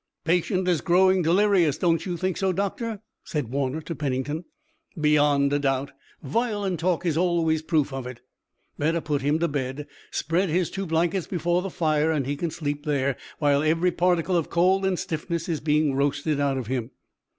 "Patient is growing delirious, don't you think so, Doctor?" said Warner to Pennington. "Beyond a doubt. Violent talk is always proof of it. Better put him to bed. Spread his two blankets before the fire, and he can sleep there, while every particle of cold and stiffness is being roasted out of him."